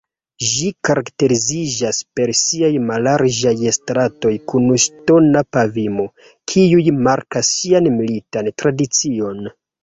Ĝi karakteriziĝas per siaj mallarĝaj stratoj kun ŝtona pavimo, kiuj markas ĝian militan tradicion.